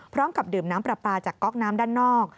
พร้อมกับดื่มน้ำปลาปลาจากก๊อกน้ำด้านนอก